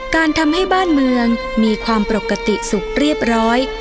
การทำให้บ้านเมืองมีความปกติสุขเรียบร้อย